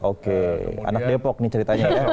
oke anak depok nih ceritanya ya